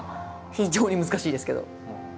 非常に難しいですけど。